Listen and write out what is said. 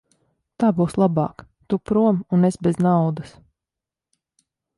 Tā būs labāk; tu prom un es bez naudas.